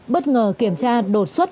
bất ngờ kiểm tra đột xuất